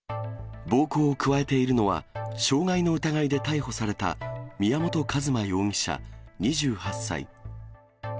暴行を加えているのは、傷害の疑いで逮捕された、宮本一馬容疑者２８歳。